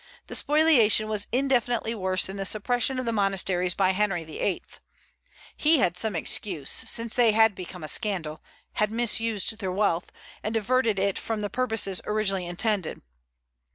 The spoliation was infinitely worse than the suppression of the monasteries by Henry VIII. He had some excuse, since they had become a scandal, had misused their wealth, and diverted it from the purposes originally intended.